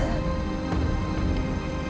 dia sangat sedih